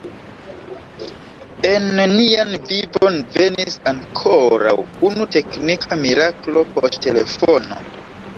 En nian vivon venis ankoraŭ unu teknika miraklo – poŝtelefono.